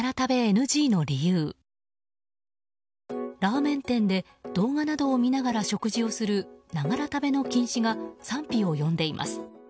ラーメン店で動画などを見ながら食事をするながら食べの禁止が賛否を呼んでいます。